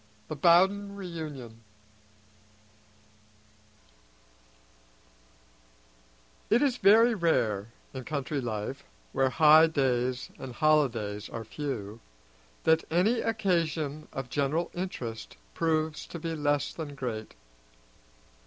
The Bowden Reunion IT IS VERY RARE in country life, where high days and holidays are few, that any occasion of general interest proves to be less than great.